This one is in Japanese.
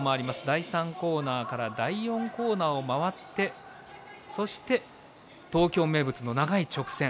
第３コーナーから第４コーナーを回ってそして、東京名物の長い直線。